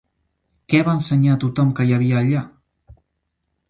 Què va ensenyar a tothom que hi havia allà?